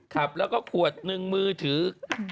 ขับแล้วก็ขวดหนึ่งมือถือ